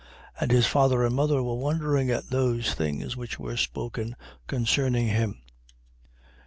2:33. And his father and mother were wondering at those things which were spoken concerning him.